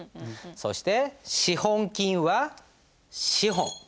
そして資本金は資本。